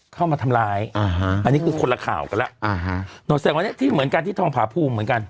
เข้ามาทำร้ายอ่าฮะอันนี้คือคนละข่าวกันแล้วอ่าฮะหนูแสดงวันนี้ที่เหมือนกันที่ทองผาภูมิเหมือนกัน